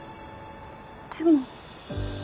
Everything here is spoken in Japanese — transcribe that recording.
でも。